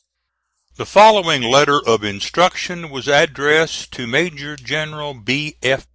The following letter of instruction was addressed to Major General B. F.